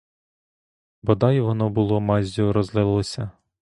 Бодай воно було маззю розлилося!